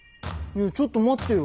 ちょっと待ってよ。